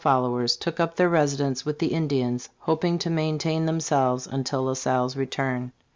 followers took up their residence with the Indians, hoping to maintain them selves until La Salle's return.